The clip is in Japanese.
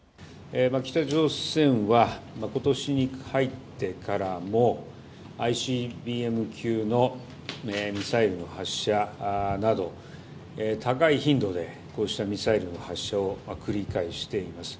北朝鮮はことしに入ってからもＩＣＢＭ級のミサイルの発射など高い頻度でこうしたミサイルの発射を繰り返しています。